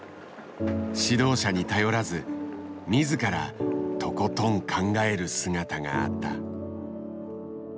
指導者に頼らず自ら「とことん考える」姿があった。